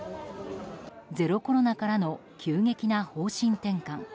ゼロコロナからの急激な方針転換。